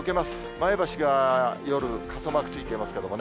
前橋が夜、傘マークついていますけれどもね。